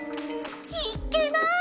⁉いっけない！